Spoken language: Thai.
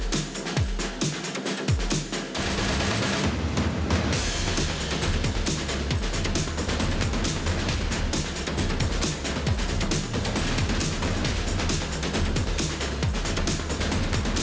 โดยรัฐเจาะประเด็นได้ใหม่สำหรับค่ำคืนนี้ครับ